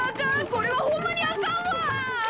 これはホンマにあかんわ！